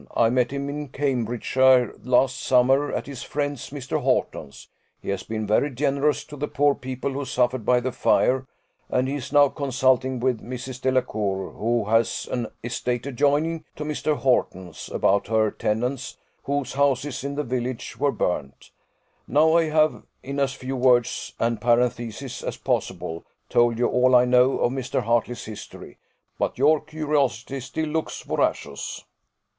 I met him in Cambridgeshire last summer, at his friend Mr. Horton's; he has been very generous to the poor people who suffered by the fire, and he is now consulting with Mrs. Delacour, who has an estate adjoining to Mr. Horton's, about her tenants, whose houses in the village were burnt. Now I have, in as few words and parentheses as possible, told you all I know of Mr. Hartley's history; but your curiosity still looks voracious."